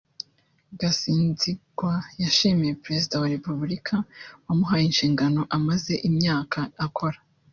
Gasinzigwa yashimye Perezida wa Repubulika wamuhaye inshingano amaze imyaka akora